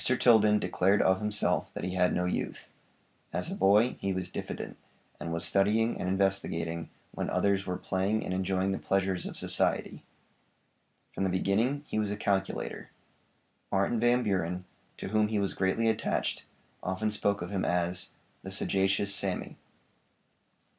Tilden declared of himself that he had no youth. As a boy he was diffident, and was studying and investigating when others were playing and enjoying the pleasures of society. From the beginning he was a calculator. Martin Van Buren, to whom he was greatly attached, often spoke of him as 'The sagacious Sammy.'